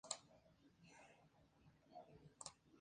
Los abonados se inscriben ya sea en una estación o en línea.